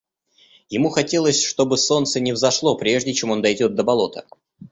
Ему хотелось, чтобы солнце не взошло прежде, чем он дойдет до болота.